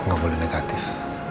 gak boleh negatif